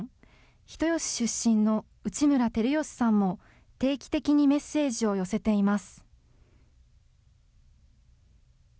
人吉出身の内村光良さんも、定期的にメッセージを寄せています。